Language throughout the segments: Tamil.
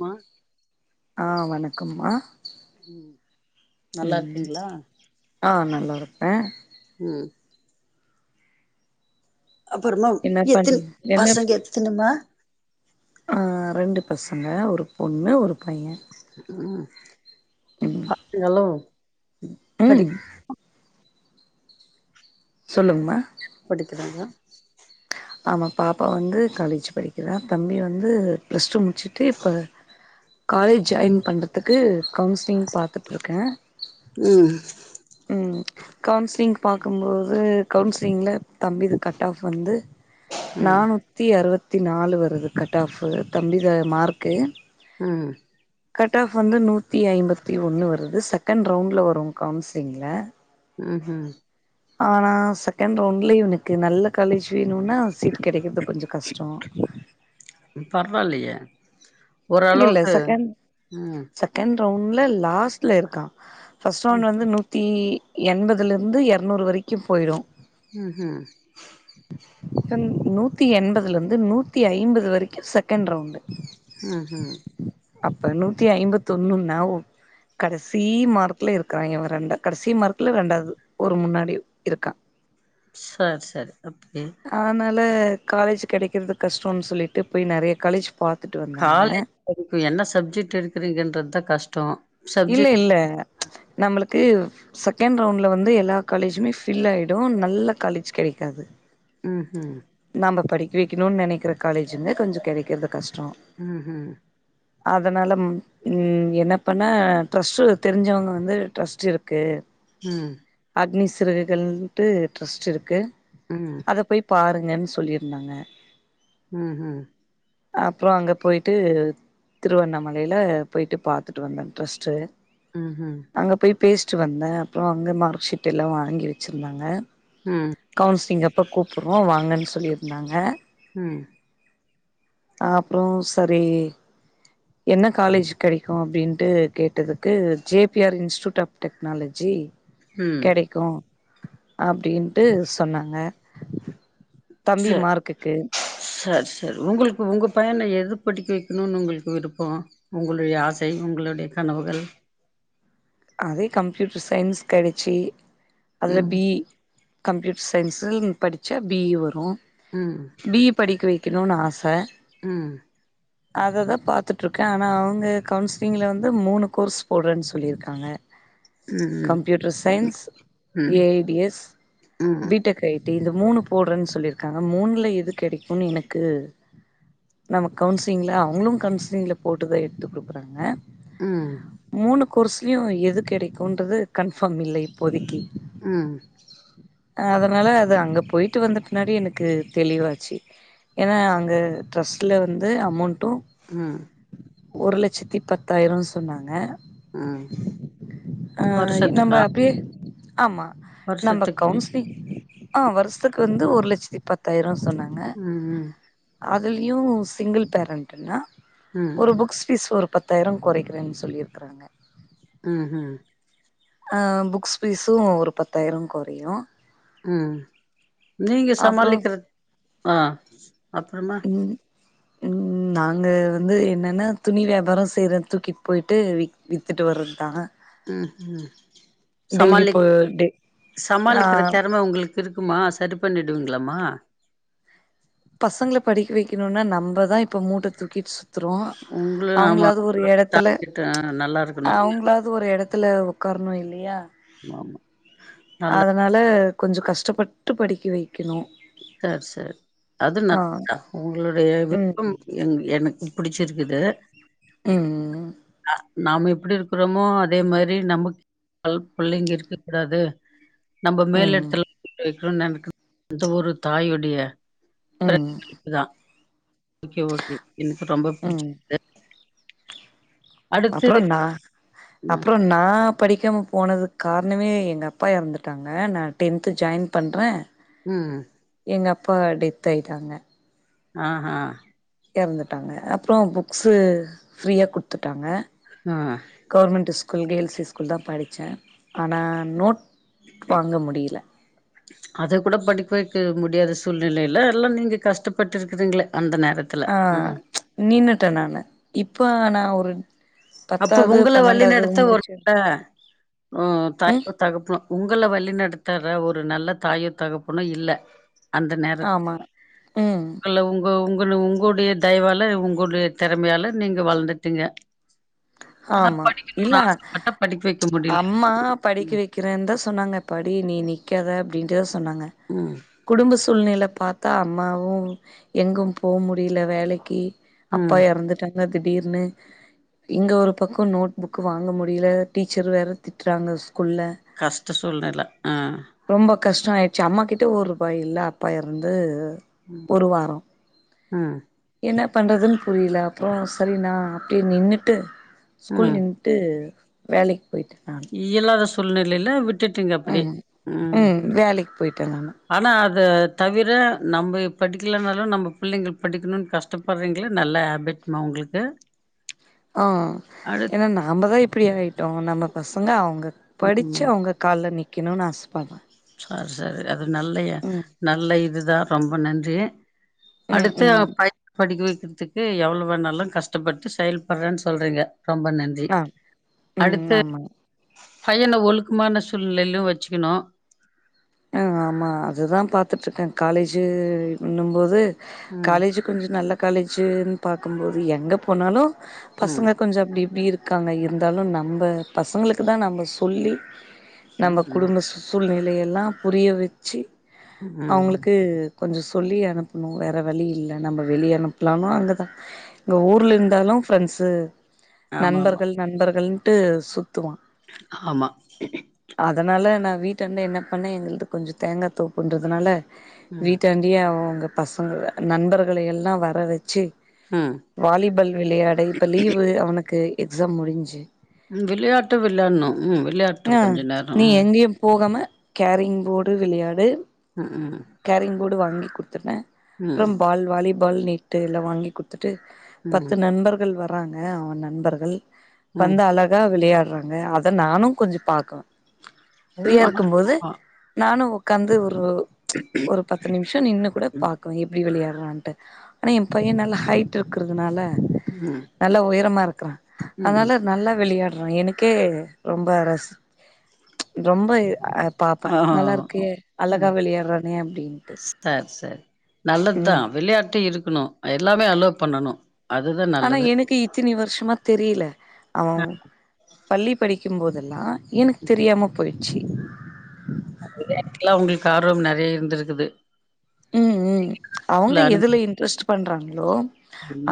மா ஆஹ் வணக்கம்மா உம் நல்லா இருக்கீங்களா ஆஹ் நல்லா இருப்பேன் ம் அப்பறமா என்ன பண் எத்துன பசங்க எத்துனுமா ஆஹ் ரெண்டு பசங்க ஒரு பொண்ணு ஒரு பையன் உம் அ ஹலோ கடி ம் சொல்லுங்மா இருக்கங்க ஆமா பாப்பா வந்து காலேஜ் படிக்கிறா தம்பி வந்து ப்ளஸ் டூ முடிச்சுட்டு இப்ப காலேஜ் ஜாயின் பண்ணறதுக்கு கவுன்சிலிங் பாத்துட்டு இருக்கேன் ம் உம் கவுன்சிலிங் பார்க்கும்போ து கவுன்சிலிங்கில தம்பிது கட் ஆஃப் வந்து ம் நானூத்தி அறுபத் தி நாலு வருது கட் ஆஃபு தம்பி த மார்க்கு உம் கட் ஆஃப் வந்து நூத்தி ஐம்பத்தி ஒன்று வருது செகண்ட் ரவுண்டில வரும் கவுன்சிலிங்கில உம் உம் ஆனா செகண்ட் ரவுண்ட்லய இவனுக்கு நல்ல காலேஜ் இன்னொன்னா சீட் கிடைக்கிறது கொஞ்ச கஷ்டம் பரவாயில்லையே ஓரளவுக்கு உம் ரவுன்ல லாஸ்ட்ல இருக்கான் ஃபர்ஸ்ட் ரவுண்ட் வந்து நூத்தி எண்பதுலேருந்து இருநூறு வரைக்கும் போயிரும் ம் ம் நூத்தி எண்பதுல இருந்து நூத்தி ஐம்பது வரைக்கும் செகண்ட் ரவுண்ட் உம் உம் அப்ப நூத்தி ஐம்பத்தி ஒண்ணுன்னா கடைசி மார்க்ல இருக்கறான் இவன் ரெண்டா கடைசி மார்க்ல ரெண்டாவது ஒரு முன்னாடி இருக்கான் சேரி சேரி அப்டி ல காலேஜ் கிடைக்கிறது கஷ்டம்ன்னு சொல்லிட்டு போய் நிறைய காலேஜ் பார்த்துட்டு வந்த காலேஜ் [inaudible] என்ன சப்ஜெக்ட் எடுக்கிறங்றதுதான் கஷ்டம் தோ இல்ல இல்ல நம்மளுக்கு செகண்ட் ரவுண்ட்ல வந்து எல்லா காலேஜுமே ஃபில் ஆயிடும் நல்ல காலேஜ் கிடைக்காது உம் உம் படிக்க வைக்கணும்னு நினைக்கிற காலேஜ் வந்து கொஞ்ச கிடைக்கிறது கஷ்டம் உம் உம் அதனால உம் என்ன பன் ஆனா ட்ரஸ்ட்டு தெரிஞ்சவங்க வந்து ட்ரஸ்ட் இருக்கு ம் அக்னி சிறுகுகள்ன்ட்டு ட்ரஸ்ட் இருக்கு ம் அத போய் பாருங்கன்னு சொல்லிருந்தாங்க. ம் ஹும் அப்றோ அங்க போயிட்டு திருவண்ணாமலையில போயிட்டு பாத்து ட்டு வந்தோ ட்ரெஸ்ட்டு. ம் ஹும் பேசிட்டு வந்தே அப்றோ அங்க மார்க் ஷீட் எல்லா வாங்கி வச்சுருந்தாங்க. ம் ம் கவுன்சிலிங் அப் போ கூப்டுறோ வாங்கன்னு சொல்லிருந்தாங்க. ம் அப்றோ சரி என்ன காலேஜ் கெடைக்கு அப்டின்ட்டு கேட்டதுக்கு J P R institute of technology ம் கெடைக்கு அப்டின் ட்டு சொன்னாங்க தம்பி சரி மார்க்குக்கு. சரி சரி உங்களுக்கு உங்க பையன எது படிக்க வைக்கணுன்னு உங்களுக்கு விருப்போ உங்களுடைய ஆசை உங்களுடைய கனவுகள் அதே கம்ப்யூட்டர் சயின்ஸ் கெடைச்சு அதுல ம் பி இ கம்ப்யூட்டர் சயின்ஸுன் படிச்சா பி இ வரு ம் பி இ படிக்க வை க்கணுன்னு ஆச. ம் அததா பாத்துட்ருக்கே. ஆனா அவங்க கவுன்சிலிங்ல வந்து மூணு கோர்ஸ் போடுறேன்னு சொல்லிருக் காங்க ம் கம்ப்யூட்டர் சயன்ஸ் ம் ஏ ஐ டி எஸ் ம் பி டெக் ஐ டி இந்த மூணு போடுறேன்னு சொல்லிருக்காங்க. மூண்ல எது கெடைக்குன்னு எனக்கு நம்ம கவுன்சிலிங்ல அவங்களும் கவுன்சிலிங்ல போட்டுதா எடுத்து குடுக்குறாங்க. ம் மூணு கோர்ஸ் லயு எது கெடைக்குன்றது கன்ஃபார்ம் இல்ல இப்போதைக்கி. ம் அதனால அது அங்கே போயி்ட்டு வந்த பின்னாடி எனக்கு தெளிவாச்சு. ஏன்னா அங்க டிரஸ்ட்ல வந்து அமௌண்ட்டு ம் ஒரு லட்சத்தி பத்தாயிரன்னு சொன்னாங்க. ம் ஆ நம்ம வருஷத்துக்கா அப்டியே ஆமா நம்ம வருஷத்துக்கு ஃபீஸ் கவுன்சிலிங் ஆ வருஷத்துக் கு வந்து ஒரு லட்சத்தி பத்தாயிரோ சொன்னாங்க ம் ம் அதில யு சிங்கிள் பேரண்ட்டுனா ம் ஒரு புக்ஸ் ஃபீஸ் ஒரு பத்தாயிரம் கொறைக்கிறேன்னு சொல்லிருக்கறாங்க. ம் ஹும் ஆ புக்ஸ் ஃபீஸு ஒரு பத்தாயிரோ கொறையு. ஆ நீங்க அப்றோ சமாளிக்கிறது ஆ அப்றமா ம் ம் நாங்க வந்து என்னன்னா துணி வியாபாரோ செய்யற தூக்கிட் போயிட்டு வி் வித்துட்டு வர்றதுதா. ம் ஹும் டெய்லி சமாளி போ டெ ஆ சமாளிக்கிற தெறம உங்களுக்கு இருக்குமா? சரி பண்ணிடுவீங்களாமா? பசங்கள படிக்க வைக்கணுன்னா நம்பதா இப்ப மூட்ட தூக்கிட்டு சு த்துறோ உங்களு ஆமா அவங்களாவது ஒரு எடத்துல டார்கெட் நல்லா இருக்கணு அவங்களாவது ஒரு எடத்துல உக்கார்ணு இல்லியா ஆமா நல்ல கொஞ்ச கஷ்டப்பட்டு படிக்க வைக்கணு சேரி சேரி அது ஆ [inaudible] உங்களுடைய விருப்பம் ம் எ எனக்கு பிடிச்சிருக்குது ம் நாம எப்டி இருக்குறோமோ அதே மாரி நமக்கு [inaudible] பிள்ளைங்க இருக்கக் கூடாது நம்ப மேல ம் எடத்துல [inaudible] விட்றனுனு நெனைக்கிற அந்த ஒரு தாயுடைய ம் தா ஓகே ஓகே எனக்கு ரொம்ப ம் புடிச்சிருக்குது. அப்றோ நா ம் அப்றோ நா படிக்காம போனதுக்கு காரணமே எங்க அப்பா எறந்துட்டாங்க நான் டென்த்து ஜாயின் பண்றே ம் எங்க அப்பா டெத் ஆயிட்டாங்க. ஆ ஹா எறந்துட்டாங்க அப்றோ புக்ஸு ஃப்ரீயா குடுத்து ட்டாங்க ஆ கவர்மெண்ட்டு ஸ் கூல் கேர்ள்ஸ் ஹைஸ்கூல்தா படிச்சே ஆனா நோட் வாங்க முடியல அது கூட படிக்க வைக்க மு டியாத சூழ்நிலைல எல்லா நீங்க கஷ்டப்பட்ருக்கிறீங்ளே ஆ நின்னுட்ட நானு இப் ப நா ஒரு அப்போ பத்தாவது உங்கள பன்னெண்டாவது வழிநடத்த ஒரு முடிச்சு [inaudible] ஆ ம் தாயோ தகப்ப உங்கள வழி நடத்த ல ஒரு நல்ல தாயோ தகப்புன்னும் இல்ல அந்த நேரத் ஆமா ம் உங்கள உங்கோ உங் உங்களு உங்குடைய தய்வால உங்களுடைய திறமையால நீங்க வளந்துட்டீங்க ஆமா இல்ல படிக்க வைக்க முடியல அம்மா படிக்க ம் வைக்கிறேன் தா சொன்னாங்க படி நீ நீ நிக்காத அப்டின்ட்டஸ் சொன்னாங்க ம் குடும்ப சூழ்நிலப் பார்த்தா அம்மாவும் எங்கும் போ முடில வேலக்கி அப்பா ம் எறந்துட்டாங்க நா திடீர்னுு இங்க ஒரு பக்கோ நோட் புக்கு வாங்க முடில டீச்சர் வேற திட்றாங்க ஸ்கூல்ல கஷ்ட சூழ்ணில ஆ கஷ்டம் ஆயிடுச்சு அம்மாக்கிட்ட ஒருபா இல்ல அப்பா எறந்து ஒரு வாரோ ம் என்ன பண்றதுன் புரில அப்ரோ சரி நா அப்டியே நின்னு ட்டு ஸ்கூல் நின்டு வேலைக்கு இயலறஸ் சூழ்நிலயில விட் உம் உம் வேலைக்கு போயிட்ட நானு ஆனா அத தவிர நம்ப படிக்லனாலும் நம்ப புள்ளைங்க படிக்கணுன் கஷ்டப்படுறீங்கள நல்ல ஹேபிட்மா உங்களுக்கு ஆ அடுத் ஏன்னா நாமதா இப்டி ஆயிட்டோம் நம்ம பசங்க அவுங் படிச்சு ம் அவங்க கால்ல நீக் கினுன் ஆச படுறேன் ஆ [unintelligible] அது நல்லயா நல்ல இது தா ரொம்ப நன்றி ம் அடுத்து ம் பயண படிக்க வை [unintelligible] எவ்ளோ வேணாலும் கஷ்டப்பட்டு செயல்படுறேனு சொல்றீங்க ரொம்ப நன்றி ஆ ம் அடுது ஆமாங்க பையன ஒழுக்கமான சூழ்நிலையிலும் வெச்சுகணும் ஆ ஆமா அதுதான் பாத்துட்ருக்கேன் காலேஜு ஒண்ணும் போது ம் காலேஜு கொஞ்சோ நல்ல காலேஜு பாக்கும்போது எங்க போனாலு ம் பசங்க கொஞ்ச அப்டி இப்டி இருக் இருக்காங்க இருந்தாலு நம்ம பசங்களுக்கு தா நம்ம சொல்லி நம்ம ம் குடும்ப சூழ்நில இத எல்லாம் புரிய வச்சி ம் ம் அவுங்ளுக்கு கொஞ்சோ சொல்லி அனுப்னோ வேற வழி இல்ல நம்ம வெளிய அனுப்பலாம இங்க தா இங்க ஊர்ல இருந்தாலு ஃப்ரெண்ட்ஸு ஆமா ஆமா நண்பர்கள் நண்பர்கள் ட்டு சு துவா ஆமா அதனால ந வீட்டான்ட என்ன பண்ண எங்கள் கொஞ்சேர தேங்காதோப்புன்றதுனால ம் வீட்டான்டியே அவுங்க பசங்க நண்பர்கள எல்லா வர வச்சு ம் வாலிபால் விளையாட இப்ப லீவு அவனுக்கு எக்ஸாம் முடிஞ்சு விளையாட்டு விளையாடணும் ம் ஆ விளையாட்டும் கொஞ்ச நேரம் நீ எங்கேயு போகாம கேரிங் போடு விளையாடு ம் கேரிங் போடு வாங்கி குடுத்துருவே ம் ப்பறாம் பால் வாலி பால் நீட்டு எல்லா வாங்கி கு ட்டு பத்து ம் நண்பர்கள் வர வராங்க அவன் நண்பர்கள் ம் வந்து அழகா விளையா றாங்க அத நானு கொஞ்சோ பாக்கலாம் ஃப்ரியா ம் இருக்கும்போது ஆமா. நானு உக்காந்து ஒ ஒரு பத்து நிமிஷம் நின்னு கூட ம் பாக்குவன் எப்டி விளையா ன்ட்டு ஆனா என் பையன் நல்ல ஹைட் இருக்கறதுனால ம் நல்ல உயரமா கிறன் ம் அதனால நல்லா விளையா ம் எனக்கே ரொம்ப ரஸ் ரொம்ப அ பாத்தேன் ஆஹ அப்டின்ட்டு சரி-சரி நல்லதா ம் விளையாட்டு இருக்கு கணோ [unintelligible] ஆனா நல்லது எனக்கு இத்தினி வருஷமா தெரியல ஆ அவன் பள்ளி படி க்கும் போதெல்லாம் எனக்கு தெரியாம போயிச்சி விளையாட்ல உங்களுக்கு ஆர்வம் நிறைய இருந்திருக்குது உம் உம் உள்ள அவங்க அனுபவ எதுல இன்ட்ரெஸ்ட் பண்றாங்களோ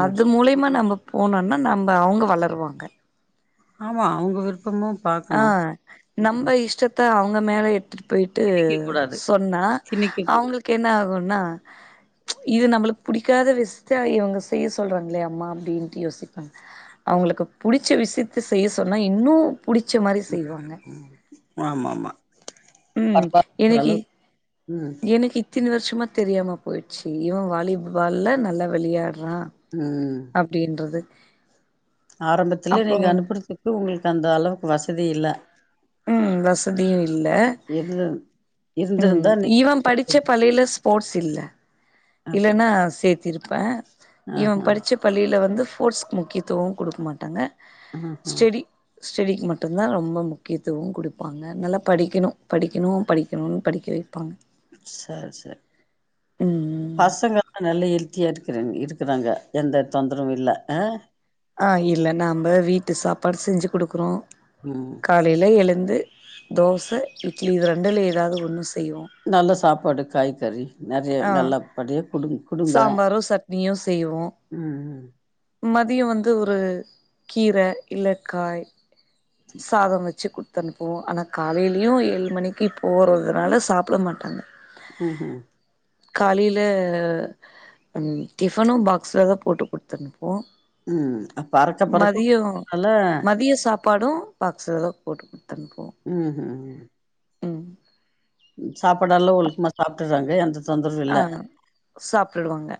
அது மூலியமா நம்ம போனோம்னா நம்ம அவங்க வளருவாங்க ஆமா அவுங்க விர் ஆ நம்ம இஷ்ட அவுங்க மேல எத்து பேயிட்டு திணிக்க கூடாது சொன்னா திணிக்க கூடாது அவுங்களுக்கு என்ன ஆகும் ஏன்னா இது நம்மளுக்கு புடிக்காத விஷயத்த இவங்க செய்ய சொல்றாங்களே அம்மா அப்டின்ட்டு யோசிப்பேன் அவுங்களுக்கு புடிச்ச விஷயத்த செய்ய சொன்னா இன்னும் புடிச்ச மாரி செய்வாங்க ஆமா ஆமா உம் பரவால்ல ஓரளவு ம் என்னக்கி இத்தின வருஷமா தெரியாம போயிடுச்சு இவன் வாலிபால்ல நல்லா வெளையாடு வா ம் [inaudible] அப்டின்றது ஆரம்பத்துல அப்றோ நீங்க அனுப்புறதுக்கு உங்களுக்கு அந்த அளவுக்கு வசதி இல்லை ம் வசதியும் இல்ல இருந்து ம் இருந்திருந்தா இவன் படிச்ச நீங்க பள்ளியில ஸ்போர்ட்ஸ் இல்ல இல்லன்னா சேத்தியி ப்பேன் ஆஹ இவன் படிச்ச பள்ளியில வந்து ஸ்போர்ட்ஸ்கு முக்கியத்துவம் கொடுக்க மாட்டாங்க ஆஹ [unintelligible] ஸ்டெடி ஸ்டெடிக்கு மட்டும்தான் ரொம்ப முக்கியத்துவம் கொடுப்பாங்க நல்லா படிக்கணும் படிக்கணும் படிக்கணும் படிக்க வை செரி செரி [unintelligible] ம் ம் பசங்கல்லாம் நெலையில் வெட்டியா இருக்கிறவங்க இருக்கிறாங்க எந்த தொந்தரவும் இல்ல ஆ ஆ இல்ல நம்ப வீட்டு சாப்பாடு செஞ்சு குடுக்குறோம் ம் காலையில எழுந்து தோச இட்லி இது ரெண்டுல ஏதாவது ஒண்ணு செய்வோ நல்ல சாப்பாடு காய்கறி நெறைய ஆ நல்ல படிய குடு குடுங்க சாம்பாரோ சட்னியோ ம் மதியம் வந்து ஒரு கீரை இல்லக்காய் சாதம் வச்சு கு குடுத்தனுப்புவோம் ஆனால் காலையிலயும் ஏழு மணிக்கு போறதுனால சாப்ட மாட்டாங்க ஹ் ஹும் காலையில டிஃபனும் பாக்ஸ்ல தான் போட்டு கொடுத்துடணும் உஹம் அறக்க பறக்க நால படும் பாக்ஸில போட்டு குடுத்தனுப்புவோ உஹம் உஹம் ம் சாப்பாடெல்லாம் ஒழுக்கமா சாப்பிட்டுறாங்க எந்த தொந்தரவு இல்ல ஆஹ் சாப்பிட்டுருவாங்க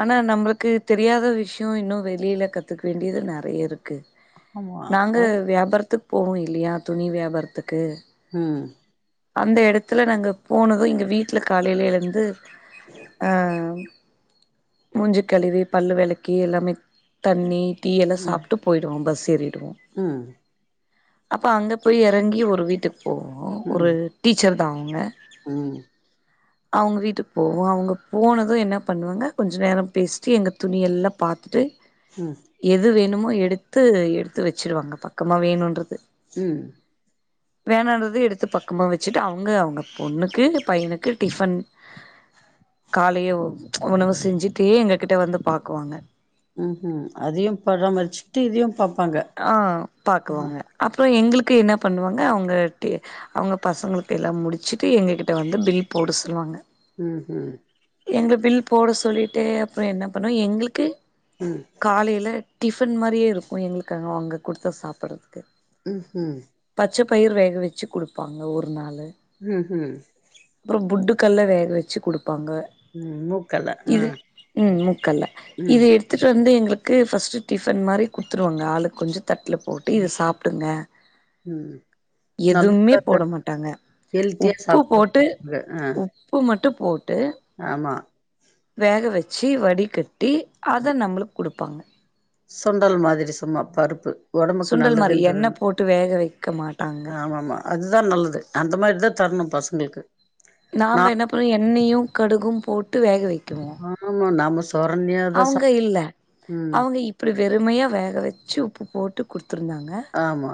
ஆனா நம்மளுக்கு தெரியாத விஷயம் இன்னும் வெளியில் கத்துக்க வேண்டியது நிறைய இருக்குது ஆமா நாங்க அது வியாபாரத்து போகும் இல்லையா துணி வியாபாரத்துக்கு ஹம் அந்த இடத்துல நாங்கள் போனதும் எங்க வீட்டில் காலையிலேந்து ஹ மூஞ்சு கழுவி பல்லு விளக்கி எல்லாமே தண்ணி டீயெல்லாம் ம் சாப்பிட்டு போயிடுவோம் பஸ் ஏறிடுவோம் ம் அப்ப அங்க போய் இறங்கி ஒரு வீட்டுக்கு போவோம் ஒரு டீச்சர் தா அவங்க உஹம் அவங்க வீட்டுக்கு போவோம் அவங்க போனதும் என்ன பண்ணுவாங்க கொஞ்சம் நேரம் பேசிட்டு எங்க துணிய எல்லாம் பாத்துட்டு ம் எது வேணுமோ எடுத்து எடுத்து வச்சுடுவாங்க பக்கமா வேணுன்றது உம் வேணாண்ட்ரது எடுத் த்து பக்கமா வச்சுட்டு அவங்க அவங்க பொண்ணுக்கு பையனுக்கு டிஃபன் காலைய உணவு செஞ்சுட்டே எங்க கிட்ட வந்து பாக்குவாங்க உம் உஹம் அதையும் பராமரிச்சுக்கிட்டு இதையும் பா ஆஹ் பாக்குவாங்க அப்றம் எங்களுக்கு க்கு என்ன பண்ணுவாங்க அவங்க அவங்க பசங்களுக்கு எல்லாம் முடிச்சுட்டு எங்ககிட்ட வந்து பில் போட சொல்லுவாங்க உஹம் உம் எங்க பில் போட சொல்லிட்டு அப்றம் என்ன பண்ணுவோம் எங்களுக்கு காலையில டிஃபன் மாரியே இருக்கு எங்களுக்கு அங்க அவங்க குடுத்த சாப்படறதுக்கு ம் ஹும் பயிர் வேக வச்சு குடுப்பாங்க ஒரு நாளு ம் ஹும் க்கல்ல வேக வச்சு குடுப்பாங்க மூக்கல ஆ இது ம் மூக்கல்ல ம் இது எடுத்துட்டு வந்து எங்க ள்க்கு ஃபஸ்ட் டிஃபன் மாரி குடுத்துருவாங்க ஆளுக்கு கொஞ்சோ தட்ல போட்டு இத ம் சாப்டுங்க ம் எதுமே நல்ல போட மாட்டாங்க ஹெல்த்தியா உப்பு சாப்பிட போட்டு போறாங்க ஆ உப்பு மட்டு போட்டு ஆமா வேக வச்சு வடிகட் டி அத நம்மளுக்கு குடுப்பாங்க சுண்டல் மாதிரி சும்மா பருப்பு ஒடம்புக்கு சுண்டல் மாரி எண்ணெ நல்லதுன்றனா போட்டு வேக வைக்க மாட்டாங்க ஆமா ஆமா அதுதா நல்லது அந்த மாரிதா தரணு பசங்களுக்கு நா நாம என்ன பண்ணுவோ எண்ணயு கடுகும் போட்டு வேக வை ஆமா நம்ம அவங்க இல்ல அவங்க இப்டி வெறுமையா வேக வச்சு உப்பு போட்டு குடு த்துருந்தாங்க ஆமா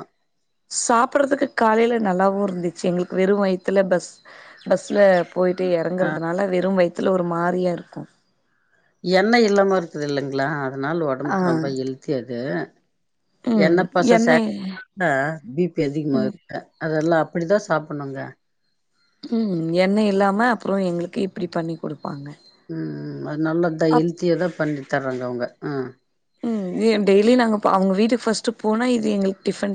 சாப்படுறதுக்கு காலைல நல்லாவு இருந்துச்சு எங்களுக்கு வெறு வயத்துல பஸ் பஸ்ல போயிட்டு எறங்குறதுனால வெறும் வயித் துல ஒரு மாரியா இருக்கு. எண்ண இல்லாம இருக்குது இல்லைங்களா அதனால ஆ ஒடம்புக்கு ரொம்ப ஹெல்த்தியா இரு க்கு ம் எண்ண பச எண்ணெய் சேக் [inaudible] பி பி அதிகமாது ம் க அதெல்லா அப்பிடிதா சாப்புடணுங்க ம் எண்ணை இல்லாம அப்புறோ எங்களுக்கு இப்பிடி பண்ணி குடு ம் ம் அது நல்லதுதா அப் ஹெல்த்தியாதா பண்ணி தறாங்க அவங்க ஆ ஃபஸ்ட் போனா இது எங்களுக்கு டிஃபன் ட